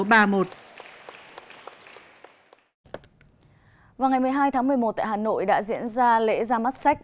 vào ngày một mươi hai tháng một mươi một tại hà nội đã diễn ra lễ ra mắt sách